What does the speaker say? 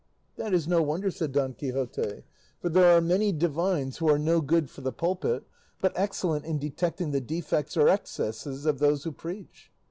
"That is no wonder," said Don Quixote; "for there are many divines who are no good for the pulpit, but excellent in detecting the defects or excesses of those who preach."